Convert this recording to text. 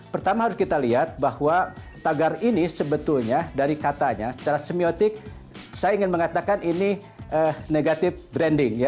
pertama harus kita lihat bahwa tagar ini sebetulnya dari katanya secara semiotik saya ingin mengatakan ini negatif branding